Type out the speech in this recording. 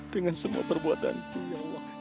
dengan semua perbuatanku ya allah